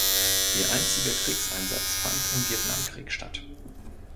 Ihr einziger Kriegseinsatz fand im Vietnamkrieg statt.